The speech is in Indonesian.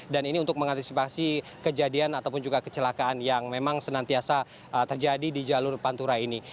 dan ini untuk mengantisipasi kejadian ataupun juga kecelakaan yang memang senantiasa terjadi di jalur pantura ini